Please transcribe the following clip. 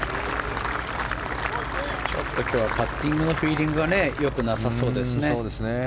ちょっと今日はパッティングのフィーリングが良くなさそうですね。